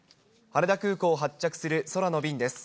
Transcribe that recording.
羽田空港を発着する空の便です。